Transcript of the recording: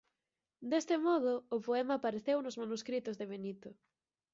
Deste modo o poema apareceu nos manuscritos de Benito.